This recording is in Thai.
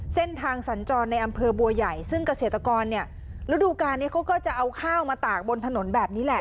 เส้นทางสัญจรในอำเภอบัวใหญ่ซึ่งเกษตรกรเนี่ยฤดูการนี้เขาก็จะเอาข้าวมาตากบนถนนแบบนี้แหละ